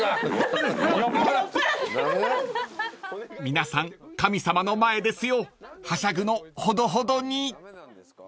［皆さん神様の前ですよはしゃぐのほどほどに］